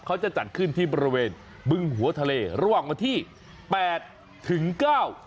เขาจะจัดขึ้นที่บริเวณบึงหัวทะเลระหว่างวันที่แปดถึงเก้า